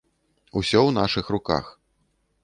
Усё ў нашых руках.